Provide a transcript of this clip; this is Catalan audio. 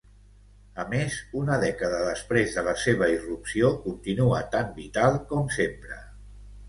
A més, una dècada després de la seva irrupció continua tan vital com sempre.